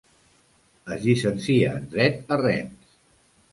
Es llicencia en dret a Rennes.